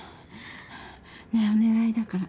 ねえお願いだから